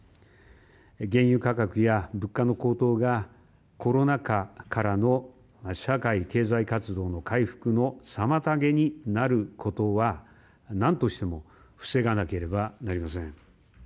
原油価格や物価の高騰がコロナ禍からの社会経済活動の回復の妨げになることは何としても防がなければなりません。